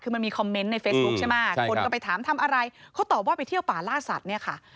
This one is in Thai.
คือมันมีคอมเมนต์ในเฟซบุ๊คใช่ไหมคนก็ไปถามทำอะไรเขาตอบว่าไปเที่ยวป่าล่าสัตว์เนี่ยค่ะ